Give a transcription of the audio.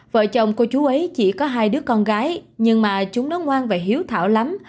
vợ chồng của chú ấy chỉ có hai đứa con gái nhưng mà chúng nó ngoan và hiếu thảo lắm